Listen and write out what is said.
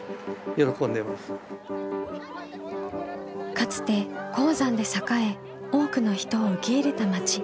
かつて鉱山で栄え多くの人を受け入れた町。